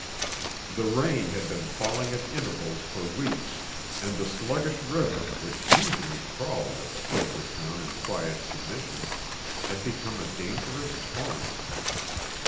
The rain had been falling at intervals for weeks, and the sluggish river, which usually crawled at the foot of the town in quiet submission, had become a dangerous torrent.